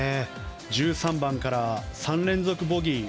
１３番から３連続ボギー。